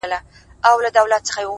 د هوی و های د محفلونو د شرنګاه لوري”